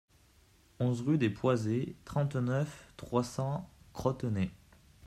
onze rue des Poisets, trente-neuf, trois cents, Crotenay